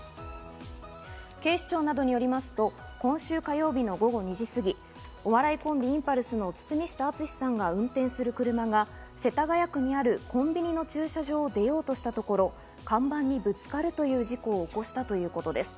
警視庁などによりますと、今週火曜日の午後２時過ぎ、お笑いコンビ、インパルスの堤下敦さんが運転する車が世田谷区にあるコンビニの駐車場を出ようとしたところ、看板にぶつかるという事故を起こしたということです。